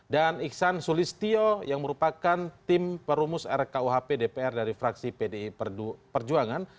dan iksan sulistiyo yang merupakan tim perumus rkuhp dpr dari fraksi pdi perjuangan